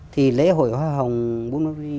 thì lễ hội hoa hồng bungari